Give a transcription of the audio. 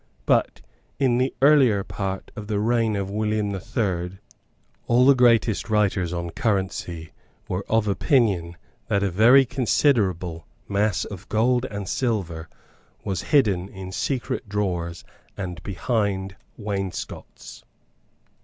But, in the earlier part of the reign of William the Third, all the greatest writers on currency were of opinion that a very considerable mass of gold and silver was hidden in secret drawers and behind wainscots.